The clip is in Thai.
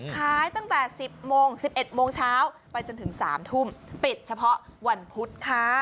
ขายตั้งแต่๑๐โมง๑๑โมงเช้าไปจนถึง๓ทุ่มปิดเฉพาะวันพุธค่ะ